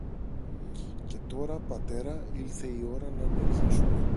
Και τώρα, πατέρα, ήλθε η ώρα να ενεργήσουμε.